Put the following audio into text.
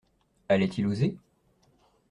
Allait-il oser?